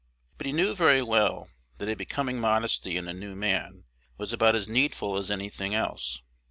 But he knew very well that a becoming modesty in a "new man" was about as needful as any thing else.